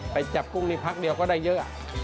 ไปจับกุ้งนี่พักเดียวก็ได้เยอะ